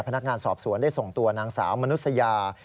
พนักงานสอบสวนได้ส่งตัวนางสาวมนุษยา